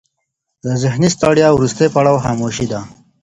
د ذهني ستړیا وروستی پړاو خاموشي دی.